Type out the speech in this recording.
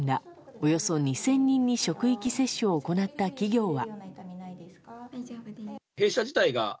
およそ２０００人に職域接種を行った企業は。